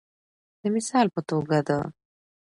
د مثال په توګه د